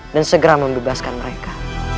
dan segera membebaskan mereka